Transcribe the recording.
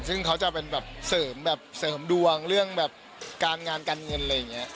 ซึ่งเขาจะเป็นแบบเสริมแบบเสริมดวงเรื่องแบบการงานการเงินอะไรอย่างนี้